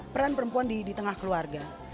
peran perempuan di tengah keluarga